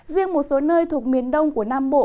riêng một số nơi thuộc miền đông của nam bộ